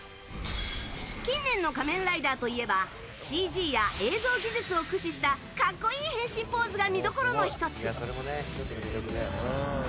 近年の仮面ライダーといえばＣＧや映像技術を駆使した格好いい変身ポーズが見どころの１つ。